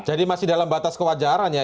jadi masih dalam batas kewajarannya